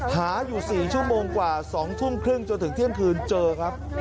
หาอยู่๔ชั่วโมงกว่า๒ทุ่มครึ่งจนถึงเที่ยงคืนเจอครับ